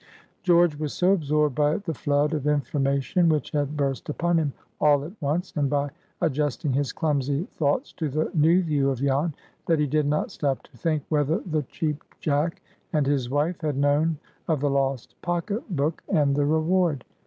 George was so absorbed by the flood of information which had burst upon him all at once, and by adjusting his clumsy thoughts to the new view of Jan, that he did not stop to think whether the Cheap Jack and his wife had known of the lost pocket book and the reward.